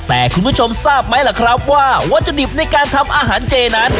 แต่คุณผู้ชมทราบไหมล่ะครับว่าวัตถุดิบในการทำอาหารเจนั้น